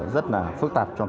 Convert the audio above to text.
rất là phức tạp cho chúng ta